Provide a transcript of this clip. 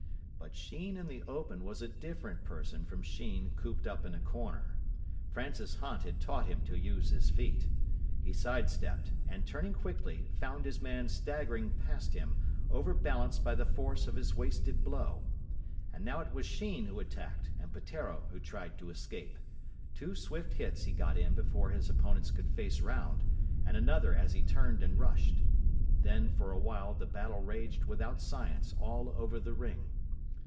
But Sheen in the open was a different person from Sheen cooped up in a corner. Francis Hunt had taught him to use his feet. He side stepped, and, turning quickly, found his man staggering past him, over balanced by the force of his wasted blow. And now it was Sheen who attacked, and Peteiro who tried to escape. Two swift hits he got in before his opponent could face round, and another as he turned and rushed. Then for a while the battle raged without science all over the ring.